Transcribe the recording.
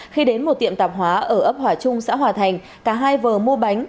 khi đến một tiệm tạp hóa ở ấp hòa trung xã hòa thành cả hai vợ mua bánh